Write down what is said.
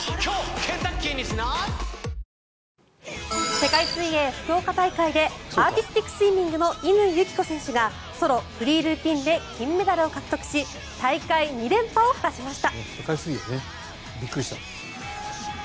世界水泳福岡大会でアーティスティックスイミングの乾友紀子選手がソロ・フリールーティンで金メダルを獲得し大会２連覇を果たしました。